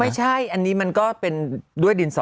ไม่ใช่อันนี้มันก็เป็นด้วยดินสอ